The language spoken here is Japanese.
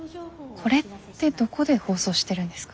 これってどこで放送してるんですか？